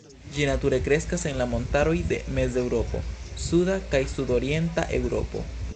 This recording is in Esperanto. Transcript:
Ĝi nature kreskas en la montaroj de Mezeŭropo, Suda kaj Sudorienta Eŭropo.